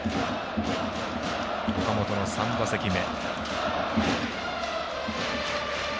岡本の３打席目。